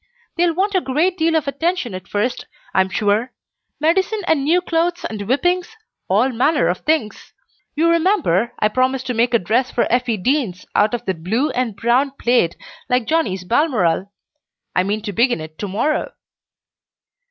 They'll want a great deal of attention at first, I am sure; medicine and new clothes and whippings, all manner of things. You remember I promised to make a dress for Effie Deans out of that blue and brown plaid like Johnnie's balmoral. I mean to begin it to morrow."